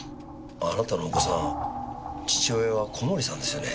あなたのお子さん父親は小森さんですよね？